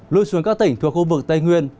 lui xuống các tỉnh thuộc khu vực tây nguyên